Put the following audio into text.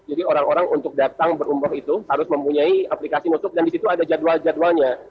jadi orang orang untuk datang berumroh itu harus mempunyai aplikasi nutuk dan di situ ada jadwal jadwalnya